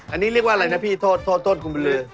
อันนี้เรียกว่าอะไรนะพี่โทษโทษคุณไปเลย